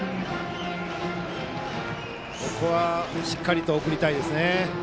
ここはしっかりと送りたいですね。